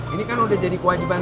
ini kan udah jadi kewajiban